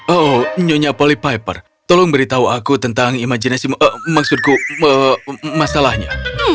oh nyonya poly piper tolong beritahu aku tentang imajinasi maksudku masalahnya